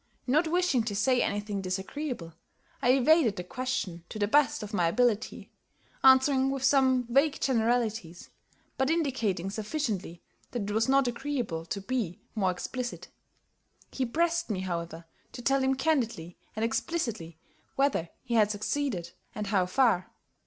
Not wishing to say anything disagreeable, I evaded the question to the best of my ability, answering with some vague generalities, but indicating sufficiently that it was not agreeable to be more explicit. He pressed me, however, to tell him candidly and explicitly whether he had succeeded, and how far.